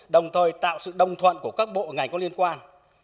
đồng thời tạo sự đồng thuận của các bộ ngành có liên quan